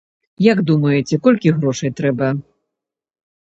Як думаеце, колькі грошай трэба?